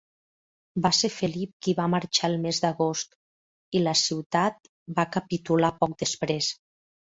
Va ser Felip qui va marxar el mes d'agost, i la ciutat va capitular poc després.